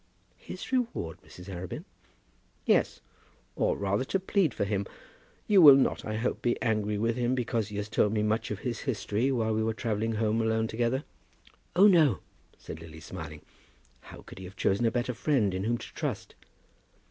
"His reward, Mrs. Arabin?" "Yes; or rather to plead for him. You will not, I hope, be angry with him because he has told me much of his history while we were travelling home alone together." "Oh, no," said Lily, smiling. "How could he have chosen a better friend in whom to trust?"